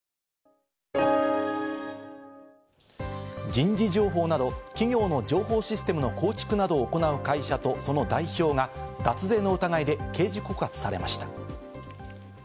人事情報など企業の情報システムの構築などを行う会社とその代表が脱税の疑いで刑事告発されました。